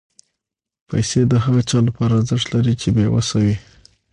پېسې د هغه چا لپاره ارزښت لري چې بېوسه وي.